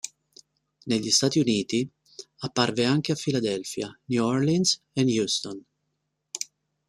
Negli Stati Uniti apparve anche a Filadelfia, New Orleans, Houston.